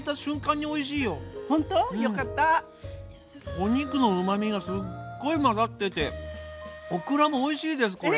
お肉のうまみがすっごい混ざっててオクラもおいしいですこれ。